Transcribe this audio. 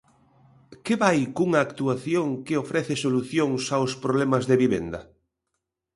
¿Que vai cunha actuación, que ofrece solucións aos problemas de vivenda?